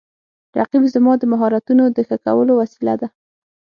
رقیب زما د مهارتونو د ښه کولو وسیله ده